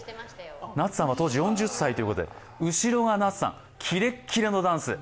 夏さんは当時４０歳ということで、後ろが夏さん、キレッキレのダンス。